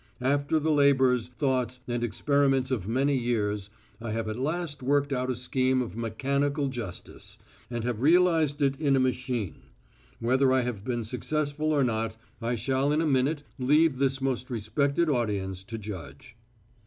After the labours, thoughts and experiments of many years, I have at last worked out a scheme of mechanical justice, and have realised it in a machine. Whether I have been successful or not I shall in a minute leave this most respected audience to judge."